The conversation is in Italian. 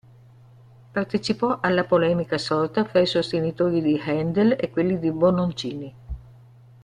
Partecipò alla polemica sorta fra i sostenitori di Händel e quelli di Bononcini.